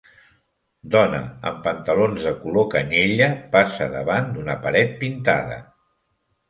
Dona amb pantalons de color canyella passa davant d'una paret pintada.